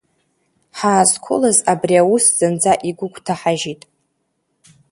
Ҳаазқәылаз абри аус зынӡа игәыгәҭаҳажьит.